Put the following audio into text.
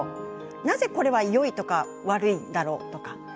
なぜ、これはよいとか悪いんだろうとか。